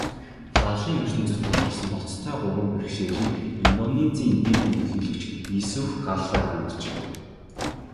Лалын ертөнцөд тулгарсан ноцтой гурван бэрхшээлийг Индонезийн дэд ерөнхийлөгч Юсуф Калла хөнджээ.